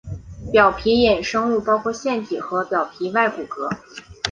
表皮衍生物包括腺体和表皮外骨骼。